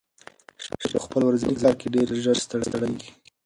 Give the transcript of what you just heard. شریف په خپل ورځني کار کې ډېر ژر ستړی کېږي.